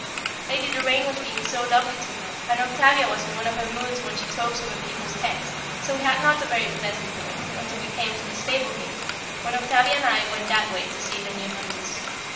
Lady Doraine was being so lovely to her, and Octavia was in one of her moods when she talks over people's heads, so we had not a very pleasant walk, until we came to the stable gate, when Octavia and I went that way to see her new hunters.